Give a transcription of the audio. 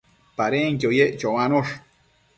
Padenquio yec choanosh